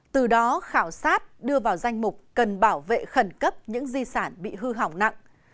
từ đó khảo sát đưa vào danh mục cần bảo vệ khẩn cấp những di sản bị hư hỏng nặng